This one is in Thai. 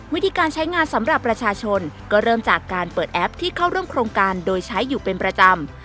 วิธีการใช้งานสำหรับประชาชนก็เริ่มจากการเปิดแอปที่เข้าร่วมโครงการโดยใช้อยู่เป็นประจำ